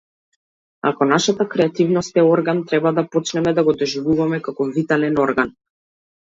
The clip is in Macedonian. Ако нашата креативност е орган, треба да почнеме да го доживуваме како витален орган.